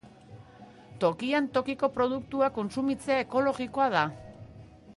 Tokian tokiko produktuak kontsumitzea ekologikoa da.